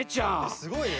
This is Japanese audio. すごいね！